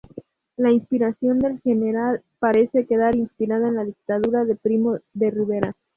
La inspiración del General parece quedar inspirada en la Dictadura de Primo de Rivera.